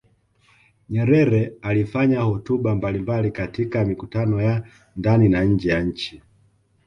Nyerere alifanya hotuba mbalimbali katika mikutano ya ndani na nje ya nchi